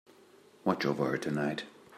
Watch over her tonight.